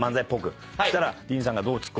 そしたら。